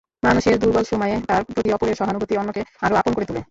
মানুষের দুর্বল সময়ে তার প্রতি অপরের সহানুভূতি অন্যকে আরও আপন করে তোলে।